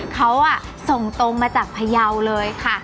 เขาส่งตรงมาจากพยาวเลยค่ะ